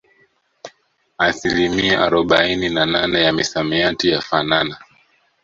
Asilimia arobaini na nane ya misamiati yafanana